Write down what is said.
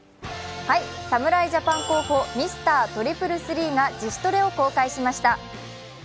侍ジャパン候補、ミスタートリプルスリーが自主トレを公開しました。